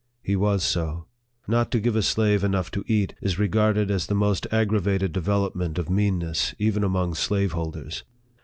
He was so. Not to give a slave enough to eat, is re garded as the most aggravated development of mean ness even among slaveholders.